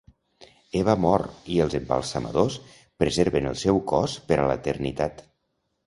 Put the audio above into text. Eva mor, i els embalsamadors preserven el seu cos per a l'eternitat.